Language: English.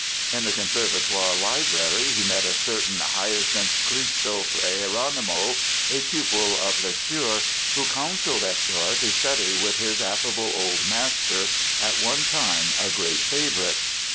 In the Conservatoire library he met a certain Hyacinthe Christophe Gerono, a pupil of Lesueur, who counseled Hector to study with his affable old master, at one time a great favorite.